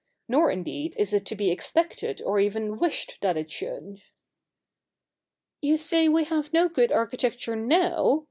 Nor, indeed, is it to be expected or even wished that it should.' ' You say we have no good architecture now